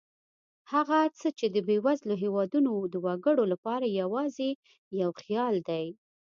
هغه څه چې د بېوزلو هېوادونو وګړو لپاره یوازې یو خیال دی.